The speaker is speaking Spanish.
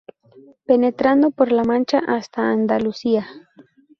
Penetrando por la Mancha hasta Andalucía.